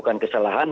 dan itu juga menjadi